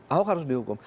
ahok harus dihukum